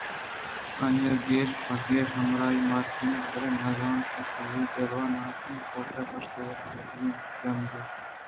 آئی ءِ کش پہ کش ہمراہی ماریتگ بلئے نہ زانتے کہ اے جلوہ ناکیں کوٹ ءِ پشت ءَ یک چِلّی ئیں جامگے اِنت